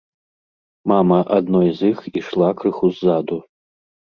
Мама адной з іх ішла крыху ззаду.